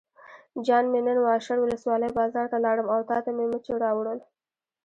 جان مې نن واشر ولسوالۍ بازار ته لاړم او تاته مې مچو راوړل.